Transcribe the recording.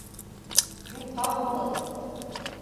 Юҡҡа булды.